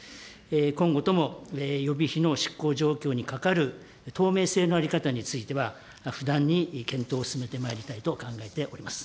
今後とも予備費の執行状況にかかる透明性の在り方については、不断に検討を進めてまいりたいと考えております。